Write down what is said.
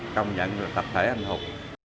công nhận được tập thể anh hùng